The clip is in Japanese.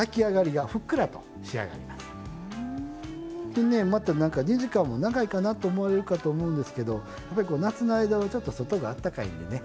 でねまた何か２時間も長いかなと思われるかと思うんですけどやっぱり夏の間はちょっと外があったかいんでね。